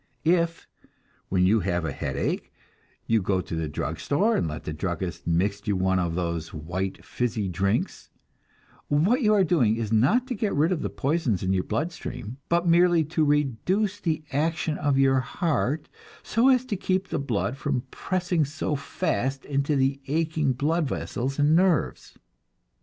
If, when you have a headache, you go into a drug store and let the druggist mix you one of those white fizzy drinks, what you are doing is not to get rid of the poisons in your blood stream, but merely to reduce the action of your heart, so as to keep the blood from pressing so fast into the aching blood vessels and nerves.